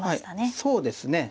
そうですね。